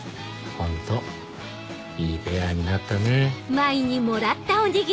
ホントいいペアになったね。